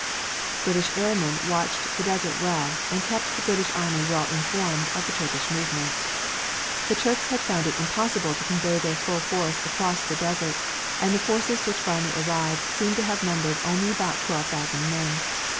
British airmen watched the desert well and kept the British army well informed of the Turkish movements. The Turks had found it impossible to convey their full force across the desert, and the forces which finally arrived seemed to have numbered only about twelve thousand men.